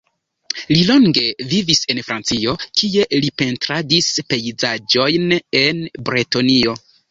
Li longe vivis en Francio, kie li pentradis pejzaĝojn en Bretonio.